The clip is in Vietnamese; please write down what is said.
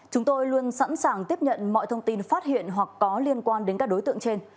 chúng tôi luôn sẵn sàng tiếp nhận mọi thông tin phát hiện hoặc có liên quan đến các đối tượng trên